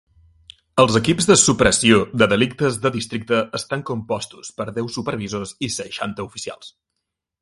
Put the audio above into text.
Els equips de supressió de delictes de districte estan compostos per deu supervisors i seixanta oficials.